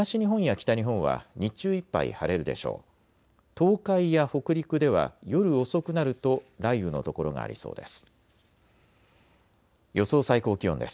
東海や北陸では夜遅くなると雷雨の所がありそうです。